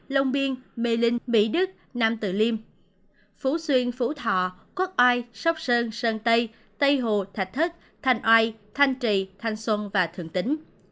long biên mê linh mỹ đức nam tự liêm phú xuyên phú thọ quốc oai sóc sơn sơn tây tây hồ thạch thất thành oai thanh trì thanh xuân và thượng tính